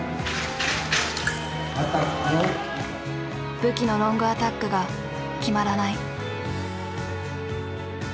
武器のロングアタックが決まらない。